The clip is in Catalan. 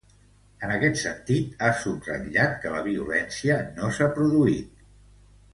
En aquest sentit, ha subratllat que ‘la violència no s’ha produït’.